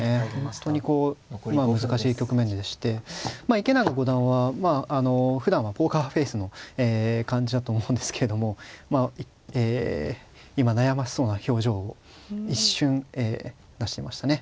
本当にこう今難しい局面でして池永五段はふだんはポーカーフェースの感じだと思うんですけどもえ今悩ましそうな表情を一瞬出していましたね。